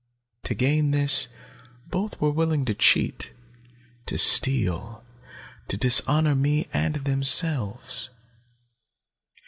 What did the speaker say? To gain this, both were willing to cheat, to steal, to dishonor me and themselves.